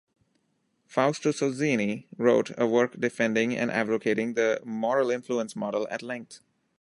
Fausto Sozzini wrote a work defending and advocating the moral influence model at length.